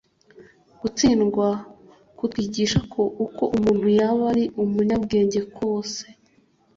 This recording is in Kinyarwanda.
gutsindwa kutwigisha ko uko umuntu yaba ari umunyabwenge kose